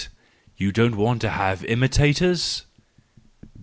You don't want to have imitators